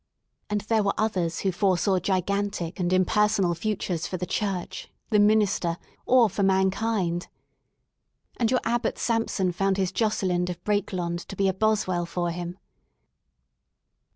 And there were others who foresaw gigantic and impersonal futures for the Church, the Minster, or for Mankind, And your Abbot Samson found his Jocelynd of Brake Ion d to be a Boswell for him.